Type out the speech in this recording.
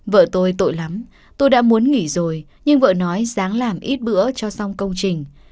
vợ tôi tội lắm tôi đã muốn nghỉ rồi nhưng vợ nói dám làm ít bữa cho xong công trình